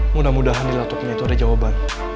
mudah mudahan di latubnya itu ada jawaban